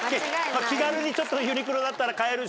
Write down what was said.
気軽にちょっとユニクロだったら買えるし。